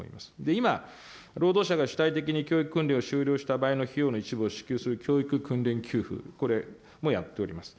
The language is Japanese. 今、労働者が主体的に教育訓練を終了した場合の費用の一部を支給する教育訓練給付、これもやっております。